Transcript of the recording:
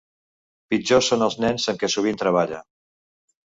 Pitjors són els nens amb què sovint treballa.